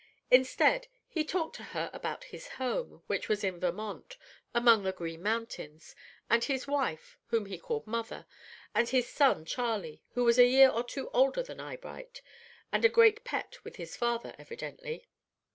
Instead, he talked to her about his home, which was in Vermont, among the Green Mountains, and his wife, whom he called "mother," and his son, Charley, who was a year or two older than Eyebright, and a great pet with his father, evidently.